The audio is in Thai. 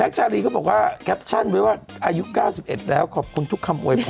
ชาลีก็บอกว่าแคปชั่นไว้ว่าอายุ๙๑แล้วขอบคุณทุกคำอวยพร